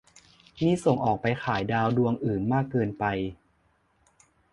นี่ส่งออกไปขายดาวดวงอื่นมากเกินไป